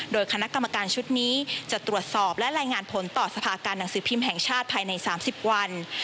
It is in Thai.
โดยคณะกรรมการชุดนี้จะตรวจสอบและรายงานผลต่อสภาการหนังสือพิมพ์แห่งชาติภายใน๓๐วัน